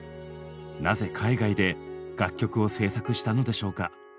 なぜ海外で楽曲を制作したのでしょうか？